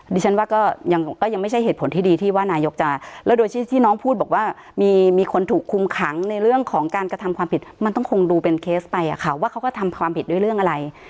ดิฉันว่าก็ยังไม่ใช่เหตุผลที่ดีที่ว่านายกจะแล้วโดยที่น้องพูดบอกว่ามีคนถูกคุมขังในเรื่องของการกระทำความผิดมันต้องคงดูเป็นเคสไปอะค่ะว่าเขาก็ทำความผิดด้วยเรื่องอะไร